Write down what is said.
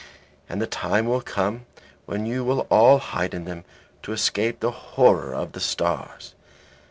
And the time will come when you will all hide in them, to escape the horror of the stars."